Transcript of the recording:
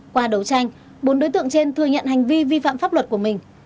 qua đấu tranh bốn đối tượng trên thừa nhận hành vi vi phạm pháp luật của mình